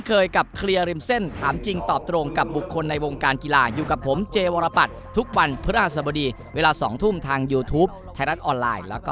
เราอย่าลืมนะครับว่าเราก้าวข้ามอาเซียนไม่ได้นะครับ